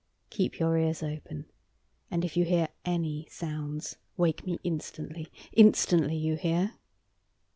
"Keep your ears open, and if you hear any sounds wake me instantly instantly, you hear?"